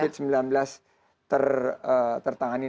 apesfalls itulah itu